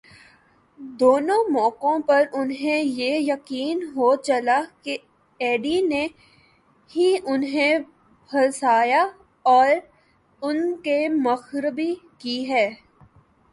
دونوں موقعوں پر انھیں یہ یقین ہو چلا کہ ایڈی نے ہی انھیں پھنسایا اور ان کی مخبری کی ہے۔